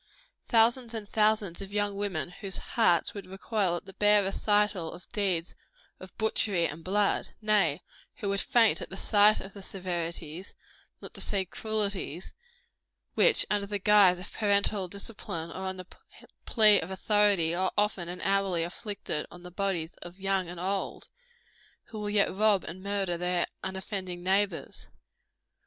Thousands and thousands of young women whose hearts would recoil at the bare recital of deeds of butchery and blood nay, who would faint at the sight of the severities, not to say cruelties, which, under the guise of parental discipline, or on the plea of authority, are often and hourly inflicted on the bodies of young and old who will yet rob and murder their unoffending neighbors.